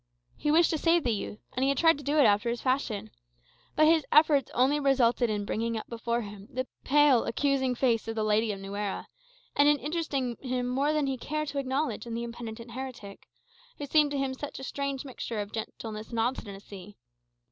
He wished to save the youth, and he had tried to do it after his fashion; but his efforts only resulted in bringing up before him the pale accusing face of the Lady of Nuera, and in interesting him more than he cared to acknowledge in the impenitent heretic, who seemed to him such a strange mixture of gentleness and obstinacy.